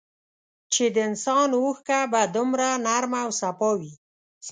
چي د انسان اوښکه به دومره نرمه او سپا وې